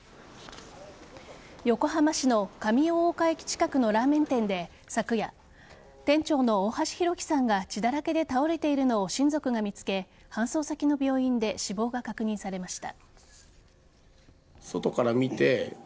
横浜市の上大岡駅近くのラーメン店で昨夜、店長の大橋弘輝さんが血だらけで倒れているのを親族が見つけ搬送先の病院で死亡が確認されました。